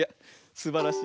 すばらしい。